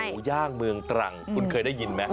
ย่างเมืองตรังคุณเคยได้ยินไหม